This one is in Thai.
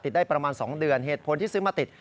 ได้ประมาณ๒เดือนเหตุผลที่ซื้อมาติด